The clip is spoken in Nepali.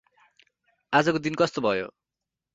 अाजको दिन कस्तो भयो?